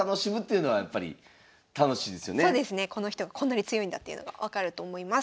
この人がこんなに強いんだっていうのが分かると思います。